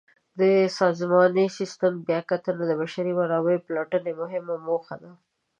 د سازماني سیسټم بیاکتنه د بشري منابعو پلټنې مهمه موخه ده.